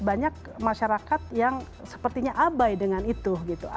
banyak masyarakat yang sepertinya abai dengan itu